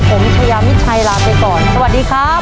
ผมชายามิดชัยลาไปก่อนสวัสดีครับ